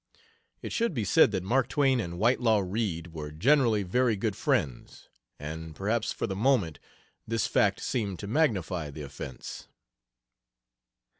It should be said that Mark Twain and Whitelaw Reid were generally very good friends, and perhaps for the moment this fact seemed to magnify the offense.